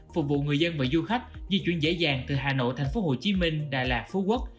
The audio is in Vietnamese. phục vụ người dân và du khách di chuyển dễ dàng từ hà nội thành phố hồ chí minh đà lạt phú quốc